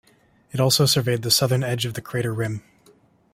It also surveyed the southern edge of the crater rim.